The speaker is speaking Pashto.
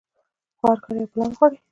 خو هر کار يو پلان غواړي.